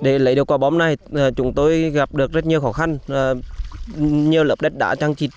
để lấy được quả bom này chúng tôi gặp được rất nhiều khó khăn và nhiều lớp đất đã trăng trịt